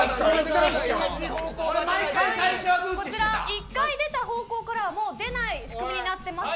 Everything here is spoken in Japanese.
１回出た方向からはもう出ない仕組みになっています。